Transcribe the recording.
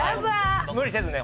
無理せずね